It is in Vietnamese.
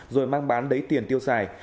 rồi mang bán lấy tiền tiêu xài